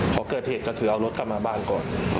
พอเกิดเหตุก็คือเอารถกลับมาบ้านก่อน